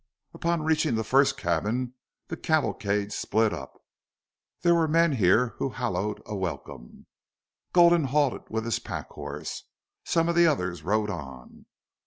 Upon reaching the first cabin the cavalcade split up. There were men here who hallooed a welcome. Gulden halted with his pack horse. Some of the others rode on.